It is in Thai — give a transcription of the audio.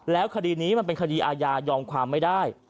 แล้วคดีนี้มันเป็นคดีอาญายอมความไม่ได้